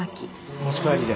持ち帰りで。